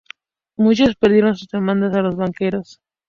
Muchos perdieron sus demandas a los banqueros.